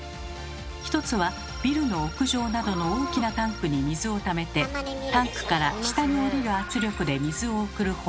一つはビルの屋上などの大きなタンクに水をためてタンクから下におりる圧力で水を送る方法。